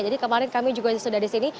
jadi kemarin kami juga sudah di sini